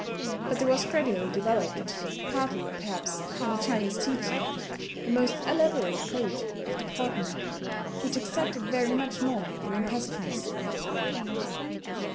But there was gradually developed partly, perhaps, under Chinese teaching a most elaborate code of deportment which exacted very much more than impassiveness.